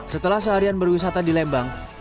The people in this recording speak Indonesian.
setelah seharian berwisata di lembang